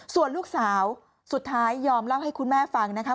ส่วนลูกสาวสุดท้ายยอมเล่าให้คุณแม่ฟังนะคะ